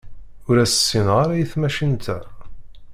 Ur as-ssineɣ ara i tmacint-a.